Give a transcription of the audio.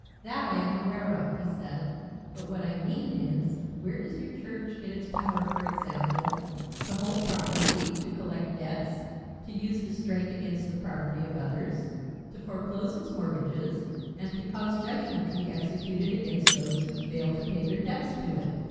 "That I am aware of," he said, "but what I mean is where does your church get its power, for example, to hold property, to collect debts, to use distraint against the property of others, to foreclose its mortgages and to cause judgement to be executed against those who fail to pay their debts to it?